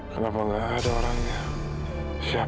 kenapa nggak ada orangnya